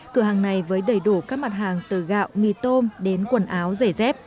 cửa hàng này với đầy đủ các mặt hàng từ gạo mì tôm đến quần áo giày dép